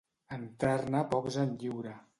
Entrar-ne pocs en lliura.